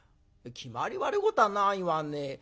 きまり悪いことはないわね。